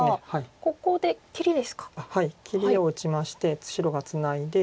切りを打ちまして白がツナいで。